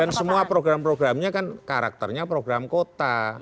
dan semua program programnya kan karakternya program kota